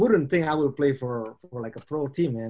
tapi saya tidak akan memainkan untuk tim pro kan